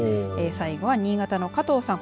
最後は、新潟の加藤さん。